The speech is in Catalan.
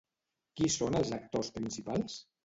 Qui són els actors principals?